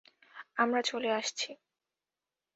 আমরা চলে আসছি।